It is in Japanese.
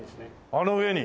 あの上に？